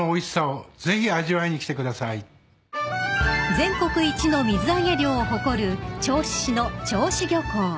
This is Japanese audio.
［全国一の水揚げ量を誇る銚子市の銚子漁港］